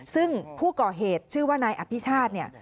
ซึ่งผู้ก่อเหตุชื่อว่านายอภิชาติเนี่ย